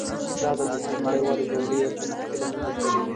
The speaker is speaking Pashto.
دا د لومړۍ نړیوالې جګړې یو څه مخکې له منځه تللې وې